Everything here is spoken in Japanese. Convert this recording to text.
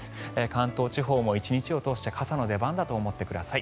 関東地方も１日を通して傘の出番だと思ってください。